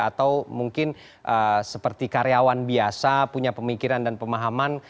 atau mungkin seperti karyawan biasa punya pemikiran dan pemahaman